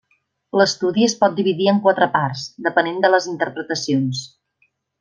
L'estudi es pot dividir en quatre parts, depenent de les interpretacions.